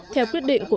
theo quyết định của